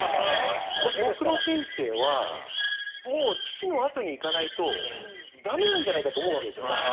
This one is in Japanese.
僕の人生は父の跡に行かないとダメなんじゃないか？と思うわけですよね。